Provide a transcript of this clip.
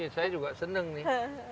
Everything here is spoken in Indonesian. saya juga seneng nih